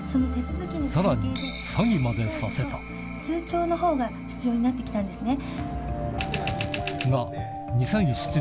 さらに詐欺までさせた通帳のほうが必要になって来たんですね。